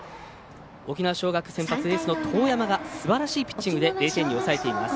沖縄尚学、エースの當山がすばらしいピッチングで０点に抑えています。